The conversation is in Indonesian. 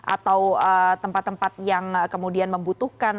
atau tempat tempat yang kemudian membutuhkan